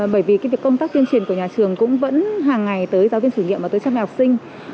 bởi vì công tác tuyên truyền của nhà trường cũng vẫn hàng ngày tới giáo viên sử nghiệm và tới trăm học sinh